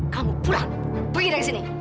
kamu pulang pergi dari sini